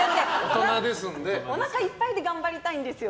おなかいっぱいで頑張りたいんですよ。